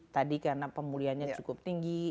tadi karena pemulihan nya cukup tinggi